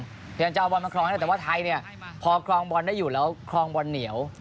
พยายามจะเอาบอลมาครองให้ได้แต่ว่าไทยเนี่ยพอครองบอลได้อยู่แล้วครองบอลเหนียว